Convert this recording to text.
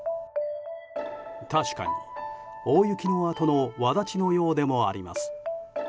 確かに、大雪のあとのわだちのようでもあります。